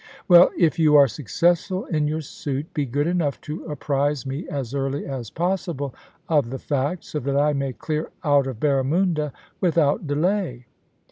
Well, if you are 5 66 POLICY AND PASSION. successful in your suit, be good enough to apprise me as early as possible of the fact, so that I may clear out of Barramunda without delay.'